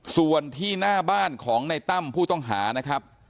ส่วนที่หน้าบ้านของในตั้มผู้ต้องหานะครับ